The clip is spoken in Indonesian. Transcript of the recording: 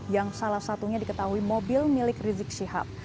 yang salah satunya diketahui mobil milik rizik syihab